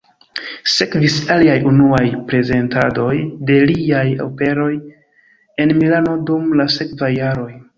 Sekvis aliaj unuaj prezentadoj de liaj operoj en Milano dum la sekvaj jaroj.